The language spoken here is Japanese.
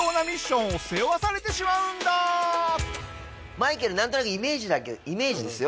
マイケルなんとなくイメージイメージですよ？